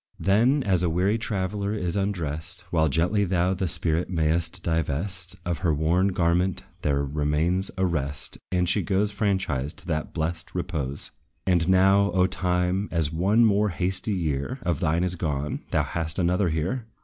Then, as a weary traveller is undressed, While gently thou the spirit may'st divest Of her worn garment, there remains a rest, And she goes franchised to that blest repose. And now, O Time, as one more hasty year Of thine is gone, thou hast another here!